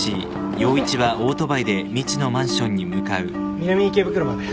南池袋まで。